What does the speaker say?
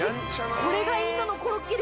これがインドのコロッケです。